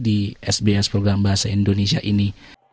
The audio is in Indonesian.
di sbs program bahasa indonesia ini